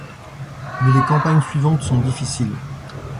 Mais les campagnes suivantes sont difficiles.